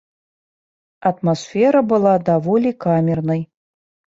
Атмасфера была даволі камернай.